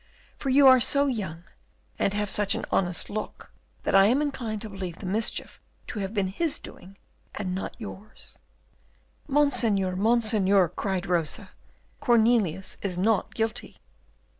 For you are so young, and have such an honest look, that I am inclined to believe the mischief to have been his doing, and not yours." "Monseigneur! Monseigneur!" cried Rosa, "Cornelius is not guilty."